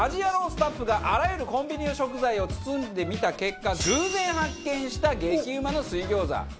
スタッフがあらゆるコンビニの食材を包んでみた結果偶然発見した激うまの水餃子。